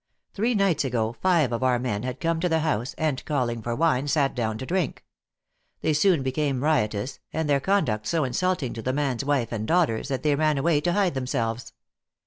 Three nights ago five of our men had come to the house, and, calling for wine, sat down to drink. They soon became riotous, and their conduct so insulting to the man s wife and daughters, that they ran away to hide themselves.